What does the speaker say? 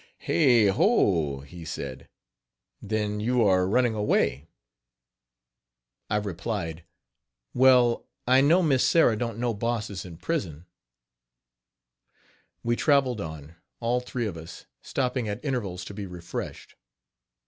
" "Hey, ho!" he said, "then you are running away." I replied: "Well I know Miss Sarah dont know Boss is in prison." We traveled on, all three of us, stopping at intervals to be refreshed.